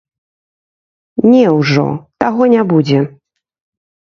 Не ўжо, таго не будзе.